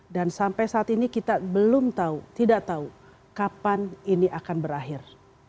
dan sampai saat ini kita belum tahu tidak tahu kapan ini akan berakhir